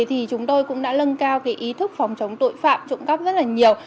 thì chúng tôi cũng đã nâng cao cái ý thức phòng chống tội phạm trộm cắp rất là nhiều